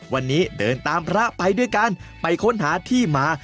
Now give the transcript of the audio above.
วันนี้เดินตามพระไปด้วยกันไปค้นหาที่มา